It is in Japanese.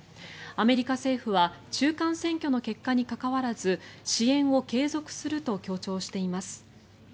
アメリカ政府は中間選挙の結果に関わらず支援を継続すると強調しています。